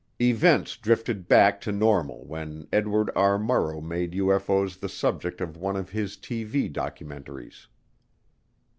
Events drifted back to normal when Edward R. Murrow made UFO's the subject of one of his TV documentaries.